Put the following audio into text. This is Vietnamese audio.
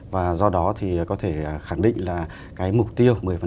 và do đó thì có thể khẳng định là cái mục tiêu một mươi